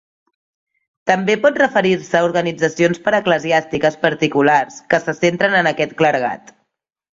També pot referir-se a organitzacions paraeclesiàstiques particulars que se centren en aquest clergat.